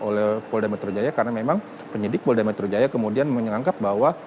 oleh polda metro jaya karena memang penyidik polda metro jaya kemudian menganggap bahwa